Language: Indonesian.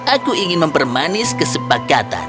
aku ingin mempermanis kesepakatan